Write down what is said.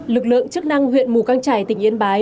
lực lượng chức năng huyện mù căng trải tỉnh yên bái